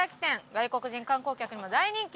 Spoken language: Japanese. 外国人観光客にも大人気！